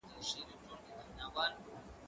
زه له سهاره لیکل کوم،